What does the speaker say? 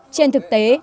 trên thực tế